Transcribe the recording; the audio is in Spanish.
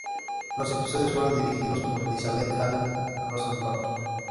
Los episodios fueron dirigidos por Elizabeth Allen Rosenbaum.